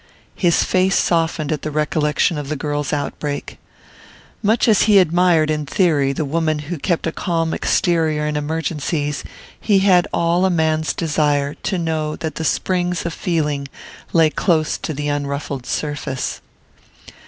His face softened at the recollection of the girl's outbreak. Much as he admired, in theory, the woman who kept a calm exterior in emergencies, he had all a man's desire to know that the springs of feeling lay close to the unruffled surface.